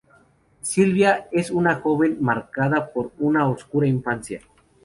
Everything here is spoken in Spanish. Silvia es una joven marcada por una oscura infancia.